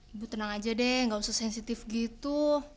ibu tenang aja deh gak usah sensitif gitu